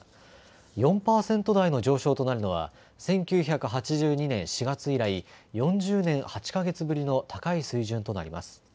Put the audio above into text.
４％台の上昇となるのは１９８２年４月以来、４０年８か月ぶりの高い水準となります。